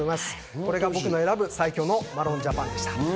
これが僕の選ぶ最強のマロンＪＡＰＡＮでした。